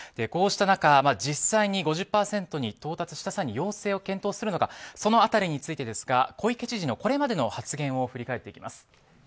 こうした中、実際に５０％に到達した際に要請を検討するのかその辺りについてなんですが小池知事のこれまでの発言を振り返っていきます。